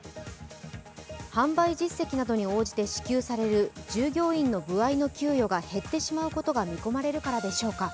販売実績などに応じて支給される従業員の歩合給が減ってしまうことが見込まれるからでしょうか